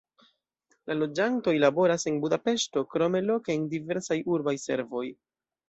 La loĝantoj laboras en Budapeŝto, krome loke en diversaj urbaj servoj.